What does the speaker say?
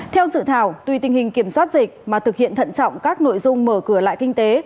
theo dự thảo tuy tình hình kiểm soát dịch mà thực hiện thận trọng các nội dung mở cửa lại kinh tế